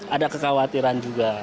ada kekhawatiran juga